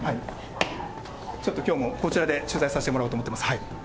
ちょっときょうも、こちらで取材させてもらおうと思ってます。